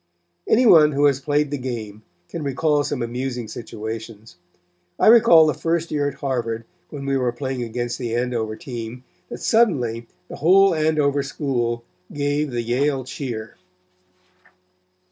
"Any one who has played the game can recall some amusing situations. I recall the first year at Harvard when we were playing against the Andover team that suddenly the whole Andover School gave the Yale cheer.